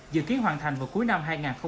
dự kiến hoàn thành vào cuối năm hai nghìn hai mươi